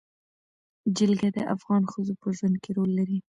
جلګه د افغان ښځو په ژوند کې رول لري.